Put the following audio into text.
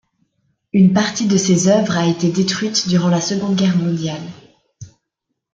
Une partie de ses œuvres a été détruite durant la Seconde Guerre mondiale.